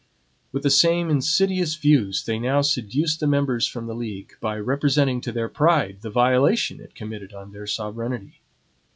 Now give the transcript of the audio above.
With the same insidious views, they now seduced the members from the league, by representing to their pride the violation it committed on their sovereignty.